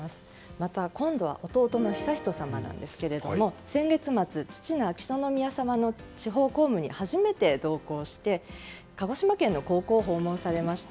また、今度は弟の悠仁さまですが先月末、父の秋篠宮さまの地方公務に初めて同行して鹿児島県の高校を訪問されました。